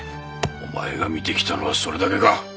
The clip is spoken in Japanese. お前が見てきたのはそれだけか。